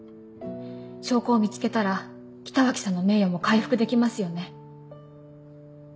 証拠を見つけたら北脇さんの名誉も回復できますよね。